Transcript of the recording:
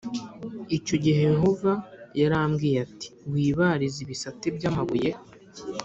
Icyo gihe Yehova yarambwiye ati ‘wibarize ibisate by’amabuye